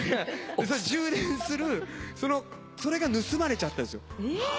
充電するそれが盗まれちゃったんですよ。